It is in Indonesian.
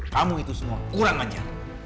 kamu itu semua kurang ajar